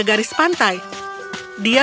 ada di tempat ini